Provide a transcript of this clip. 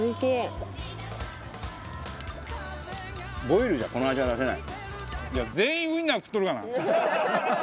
ボイルじゃこの味は出せない。